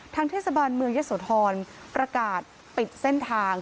เทศบาลเมืองยะโสธรประกาศปิดเส้นทาง